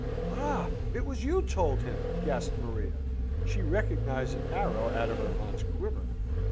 "Ah! it was you told him!" gasped Maria. She recognised an arrow out of her aunt's quiver.